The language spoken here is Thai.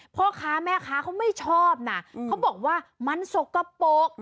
พ่อค้าแม่ค้าเขาไม่ชอบนะเขาบอกว่ามันสกปรก